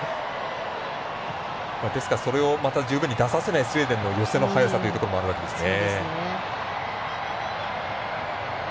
それをまた十分に出させないスウェーデンの寄せの早さということもあるわけですね。